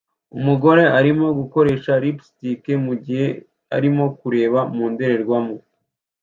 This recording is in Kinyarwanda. Umugore arimo gukoresha lipstick mugihe arimo kureba mu ndorerwamo